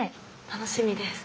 楽しみです。